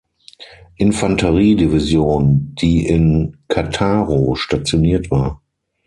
Infanteriedivision, die in Cattaro stationiert war.